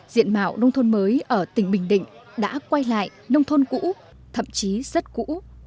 diện mạo nông thôn mới ở tỉnh bình định đã quay lại nông thôn cũ thậm chí rất cũ